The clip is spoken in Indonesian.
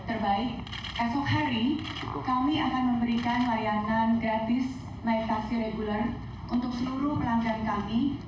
terbaik esok hari kami akan memberikan layanan gratis naik taksi reguler untuk seluruh pelanggan kami